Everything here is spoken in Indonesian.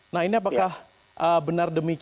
nah ini apakah benar demikian